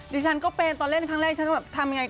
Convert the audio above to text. ดิฉันก็เป็นตอนเล่นครั้งแรกฉันต้องแบบทำอย่างไร